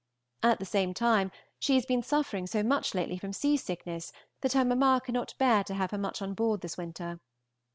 At the same time she has been suffering so much lately from sea sickness that her mamma cannot bear to have her much on board this winter.